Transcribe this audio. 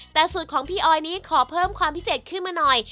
แต่สูตรของพี่ออยนี้ขอเพิ่มความพิเศษขึ้นมาหน่อย